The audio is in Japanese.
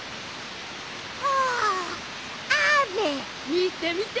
みてみて！